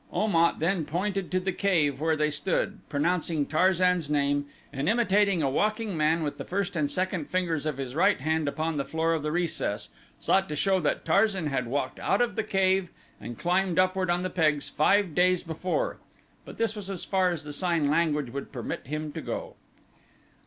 Om at then pointed to the cave where they stood, pronouncing Tarzan's name and imitating a walking man with the first and second fingers of his right hand upon the floor of the recess, sought to show that Tarzan had walked out of the cave and climbed upward on the pegs five days before, but this was as far as the sign language would permit him to go.